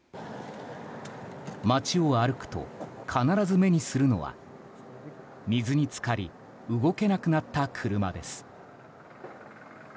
街を歩くと、必ず目にするのは水に浸かり動けなくなった車です。